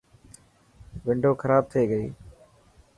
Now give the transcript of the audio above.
ونڊو خراب ٿي گئي.